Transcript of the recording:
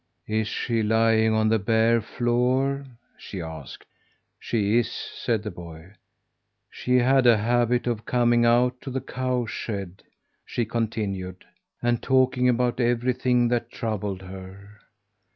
"Is she lying on the bare floor?" she asked. "She is," said the boy. "She had a habit of coming out to the cowshed," she continued, "and talking about everything that troubled her.